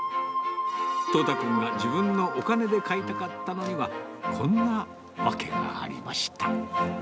統太君が自分のお金で買いたかったのには、こんな訳がありました。